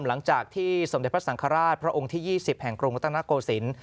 หลังจากที่สมเด็จพระสังฆราชพระองค์ที่๒๐แห่งกรุงรัตนโกศิลป์